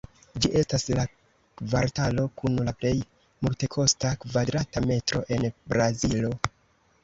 Ĝi estas la kvartalo kun la plej multekosta kvadrata metro en Brazilo.